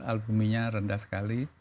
albuminnya rendah sekali